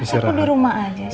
masa aku di rumah aja sih